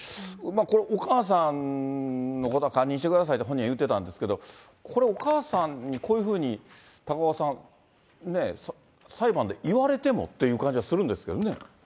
これ、お母さんのことは堪忍してくださいって、本人は言ってたんですけれども、これ、お母さんにこういうふうに高岡さん、裁判で言われてもっていう感じはするんですけどね。